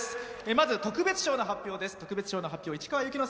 まず特別賞の発表です。